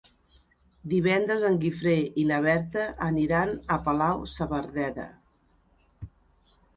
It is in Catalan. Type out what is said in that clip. Divendres en Guifré i na Berta aniran a Palau-saverdera.